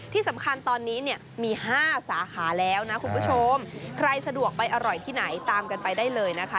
ที่สำคัญตอนนี้เนี่ยมี๕สาขาแล้วนะคุณผู้ชมใครสะดวกไปอร่อยที่ไหนตามกันไปได้เลยนะคะ